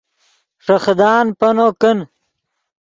ݰے خدان پینو کن